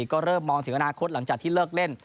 ก็เริ่มมองถึงอนาคตหลังจากที่เลิกเล่น